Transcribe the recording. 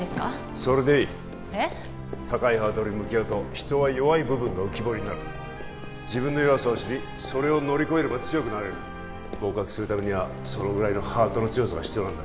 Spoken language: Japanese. それでいい高いハードルに向き合うと人は弱い部分が浮き彫りになる自分の弱さを知りそれを乗り越えれば強くなれる合格するためにはそのぐらいのハートの強さが必要なんだ